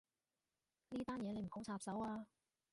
呢單嘢你唔好插手啊